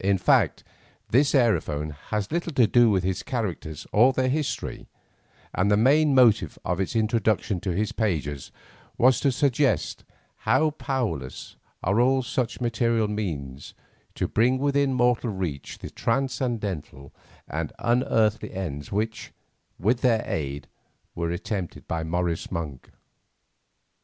In fact this aerophone has little to do with his characters or their history, and the main motive of its introduction to his pages was to suggest how powerless are all such material means to bring within mortal reach the transcendental and unearthly ends which, with their aid, were attempted by Morris Monk.